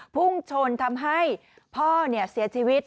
พุ่งชนทำให้พ่อเสียชีวิต